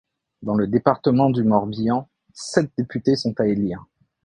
Dans le département du Morbihan, sept députés sont à élire.